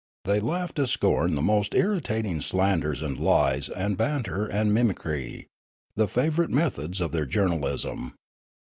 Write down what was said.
They laughed to scorn the most irritating slanders and lies and banter and mimicry, the favourite methods of their journalism.